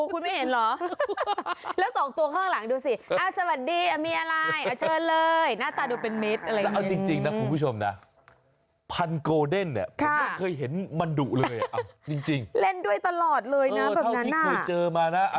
จริงค่ะเหมือนแบบนั้นนะโอถ้าวิทยูเพื่อจะมานะอ่ะค่ะ